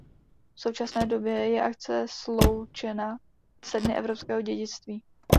V současné době je akce sloučena se Dny Evropského Dědictví.